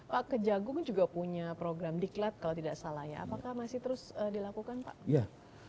pak kejagung juga punya program diklat kalau tidak salah ya apakah masih terus dilakukan pak